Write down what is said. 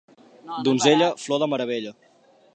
Donzella, flor de meravella.